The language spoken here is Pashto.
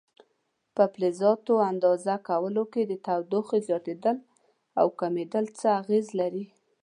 په فلزاتو اندازه کولو کې د تودوخې زیاتېدل او کمېدل څه اغېزه لري؟